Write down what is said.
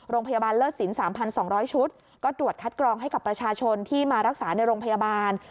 โรงพยาบาลเลิศสิน๓๒๐๐ชุดก็ตรวจคัดกรองให้กับประชาชนที่มารักษาในโรงพยาบาล